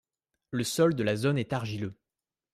Le sol de la zone est argileux.